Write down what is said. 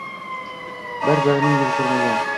Bir-birini yil koʻrmagan.